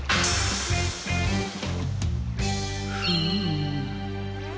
フーム。